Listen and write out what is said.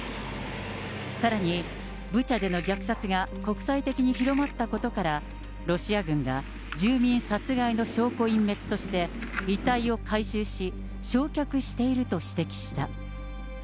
さらに、ブチャでの虐殺が国際的に広まったことから、ロシア軍が住民殺害の証拠隠滅として、遺体を回収し、焼却していると指摘した。